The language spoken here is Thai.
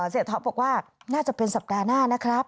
เสียท็อปบอกว่าน่าจะเป็นสัปดาห์หน้านะครับ